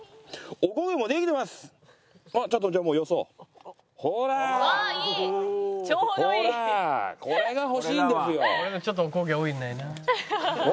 「俺のちょっとお焦げ多いんだよなあ」